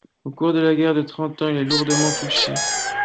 Au cours de la guerre de Trente Ans, il est lourdement touché.